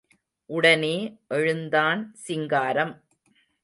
உடனே எழுந்தான் சிங்காரம்.